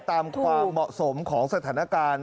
ความเหมาะสมของสถานการณ์